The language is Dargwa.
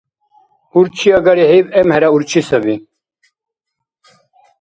Урчи агарихӀиб эмхӀера урчи саби.